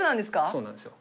そうなんですよ。